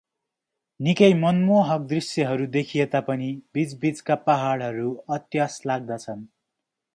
निकै मनमोहक दृश्यहरु देखिएता पनि बिचबिचका पहाडहरु अत्यशलाग्दा छन ।